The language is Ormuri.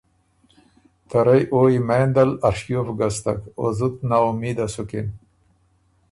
ته رئ او یمېندل ا ڒیوف ګستک او زُت نا اُمېده سُکِن۔